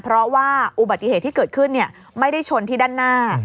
เพราะว่าอุบัติเหตุที่เกิดขึ้นไม่ได้ชนที่ด้านหน้า